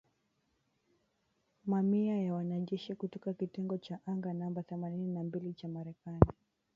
Mamia ya wanajeshi kutoka kitengo cha anga namba themanini na mbili cha Marekani.